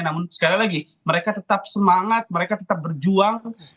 namun sekali lagi mereka tetap semangat mereka tetap berjuang